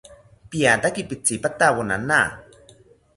Piataki pitzipatawo nana